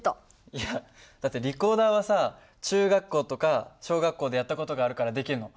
いやだってリコーダーはさ中学校とか小学校でやった事があるからできるの。